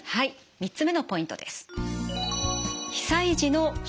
３つ目のポイントです。